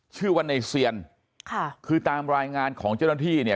ชื่อว่าในเซียนค่ะคือตามรายงานของเจ้าหน้าที่เนี่ย